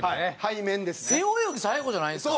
背泳ぎ最後じゃないんですか？